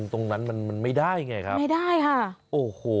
ตรงนั้นไม่ได้ไงครับ